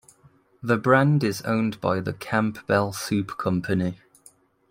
The brand is owned by the Campbell Soup Company.